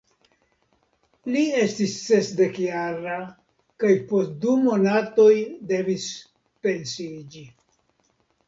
Li estis sesdekjara kaj post du monatoj devis pensiiĝi.